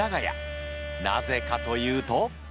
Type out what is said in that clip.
なぜかというと。